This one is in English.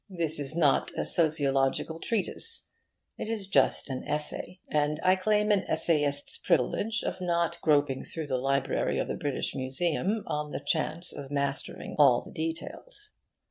This is not a sociological treatise, it is just an essay; and I claim an essayist's privilege of not groping through the library of the British Museum on the chance of mastering all the details.